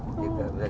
relax tadi ya pak